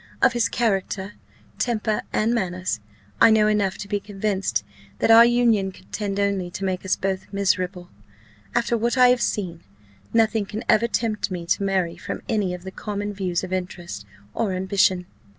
Of his character, temper, and manners, I know enough to be convinced, that our union could tend only to make us both miserable. After what I have seen, nothing can ever tempt me to marry from any of the common views of interest or ambition."